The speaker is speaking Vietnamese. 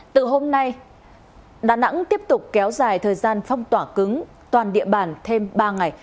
từ hôm nay đà nẵng tiếp tục kéo dài thời gian phong tỏa cứng toàn địa bàn thêm ba ngày